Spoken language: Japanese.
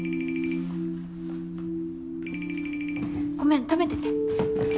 ごめん食べてて。